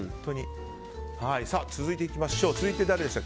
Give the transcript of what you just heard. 続いていきましょう。